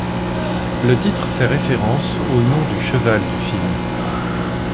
Le titre fait référence au nom du cheval du film.